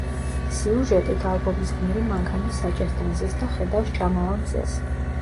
სიუჟეტით, ალბომის გმირი მანქანის საჭესთან ზის და ხედავს ჩამავალ მზეს.